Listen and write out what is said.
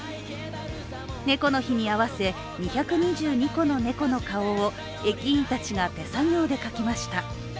猫の日に合わせ２２２個の猫の顔を駅員たちが手作業で描きました。